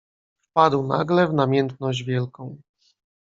"Wpadł nagle w namiętność wielką."